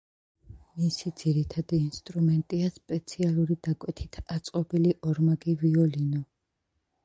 მისი ძირითადი ინსტრუმენტია სპეციალური დაკვეთით აწყობილი ორმაგი ვიოლინო.